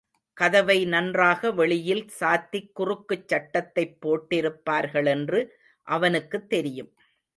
கதவை நன்றாக வெளியில் சாத்திக் குறுக்குச் சட்டத்தைப் போட்டிருப்பார்களென்று அவனுக்குத் தெரியும்.